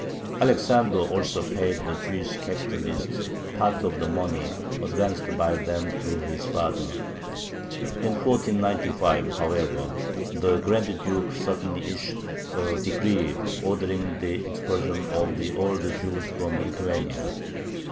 Alexander also paid the Jewish capitalists part of the money advanced by them to his father. In 1495, however, the Grand Duke suddenly issued a decree ordering the expulsion of all the Jews from Lithuania.